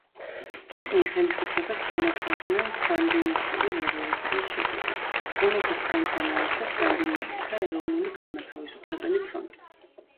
ისინი ხელისუფლებას ჩამოშორდნენ სანდინისტური რევოლუციის შედეგად, რომელსაც ხელმძღვანელობდა სანდინისტთა ეროვნულ განმათავისუფლებელი ფრონტი.